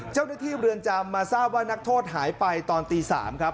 เจ้าหน้าที่เรือนจำมาทราบว่านักโทษหายไปตอนตี๓ครับ